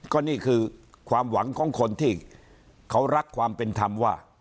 ก็นี่คือความหวังของคนที่เขารักความเป็นธรรมว่า